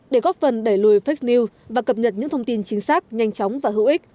để góp phần đẩy lùi fake news và cập nhật những thông tin chính xác nhanh chóng và hữu ích